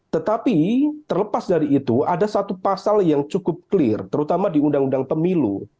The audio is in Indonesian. tetapi terlepas dari itu ada satu pasal yang cukup clear terutama di undang undang pemilu